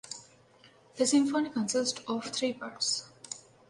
The symphony consists of three parts.